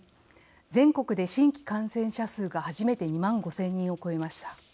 全国で新規感染者数が初めて２万５０００人を超えました。